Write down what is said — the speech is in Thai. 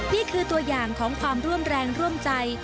นี่คือตัวอย่างของความร่วมแรงร่วมใจ